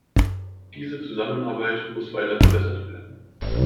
Diese Zusammenarbeit muss weiter verbessert werden.